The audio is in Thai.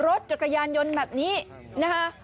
รถจักรยานยนต์แบบนี้นะคะ